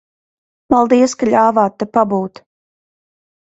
Paldies, ka ļāvāt te pabūt.